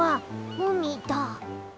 うみだ！